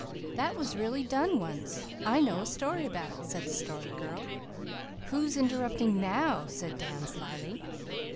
"That was really done once. I know a story about it," said the Story Girl. "Who's interrupting now?" aid Dan slyly.